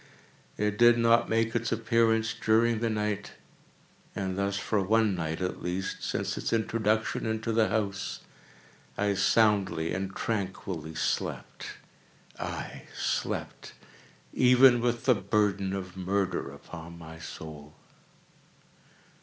It did not make its appearance during the night; and thus for one night at least, since its introduction into the house, I soundly and tranquilly slept; aye, slept even with the burden of murder upon my soul!